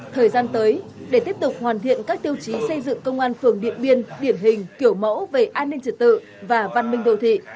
thời gian tới để tiếp tục hoàn thiện các tiêu chí xây dựng công an phường điện biên điển hình kiểu mẫu về an ninh trật tự và văn minh đô thị